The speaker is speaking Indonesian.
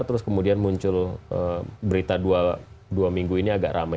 terus kemudian muncul berita dua minggu ini agak rame